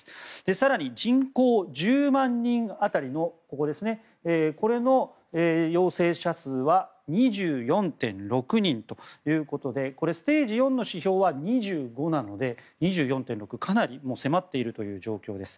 更に人口１０万人当たりの陽性者数は２４．６人ということでステージ４の指標は２５なので、２４．６かなり迫っている状況です。